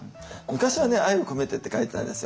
昔は「愛を込めて」って書いてたんですよ。